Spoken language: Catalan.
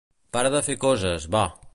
Para de fer coses, va.